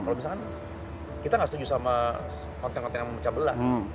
kalau misalkan kita gak setuju sama konten konten yang mencabel lah